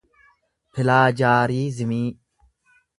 pilaajaariizimii